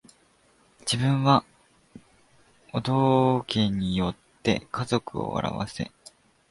自分はお道化に依って家族を笑わせ